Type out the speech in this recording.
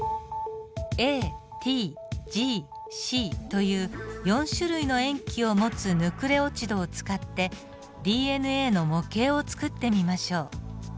ＡＴＧＣという４種類の塩基を持つヌクレオチドを使ってＤＮＡの模型を作ってみましょう。